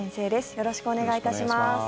よろしくお願いします。